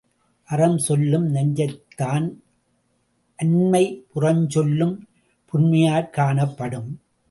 அறம் சொல்லும் நெஞ்சத்தான் அன்மை புறஞ்சொல்லும் புன்மையாற் காணப் படும்.